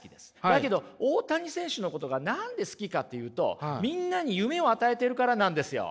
だけど大谷選手のことが何で好きかっていうとみんなに夢を与えてるからなんですよ。